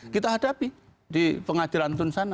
kita hadapi di pengadilan itu dan sana